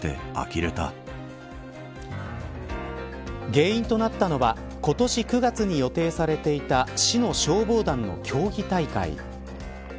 原因となったのは今年９月に予定されていた市の消防団の競技大会。